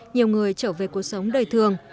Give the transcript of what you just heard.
nhiều người trở về cuộc sống đời thường